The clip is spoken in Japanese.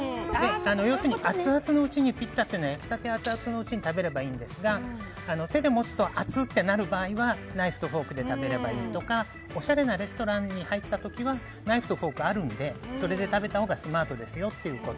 要するにアツアツ焼きたてのうちにピッツァは食べればいいんですが手で持つと熱ってなる場合はナイフとフォークで食べればいいとかおしゃれなレストランに入った時はナイフとフォークがあるので、それで食べたほうがスマートですよと。